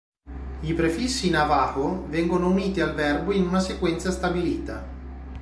I prefissi navajo vengono uniti al verbo in una sequenza stabilita.